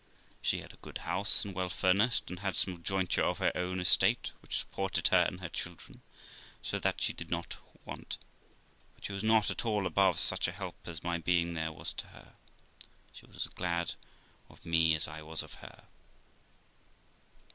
She had a good house, and well furnished, and had some jointure of her own estate which supported her and her children, so that she did not want; but she was not at all above such a help as my being there was to her; so she was as glad of me as I was of her.